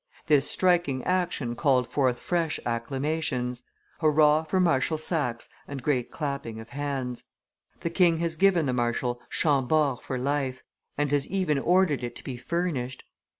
This striking action called forth fresh acclamations, 'Hurrah! for Marshal Saxe!' and great clapping of hands. The king has given the marshal Chambord for life, and has even ordered it to be furnished.